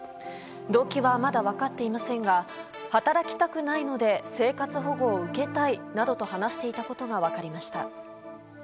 動機はまだ分かっていませんが働きたくないので生活保護を受けたいなどと話していたことが分かりました。